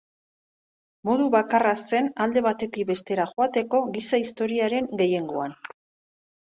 Modu bakarra zen alde batetik bestera joateko giza-historiaren gehiengoan.